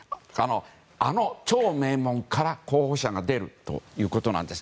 あの超名門から候補者が出るということなんです。